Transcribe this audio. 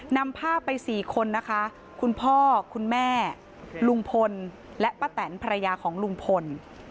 นำภาพไป๔คนนะคะคุณพ่อคุณแม่ลุงพลและป้าแตนภรรยาของลุงพล